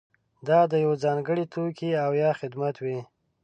دا د یوه ځانګړي توکي او یا خدمت وي.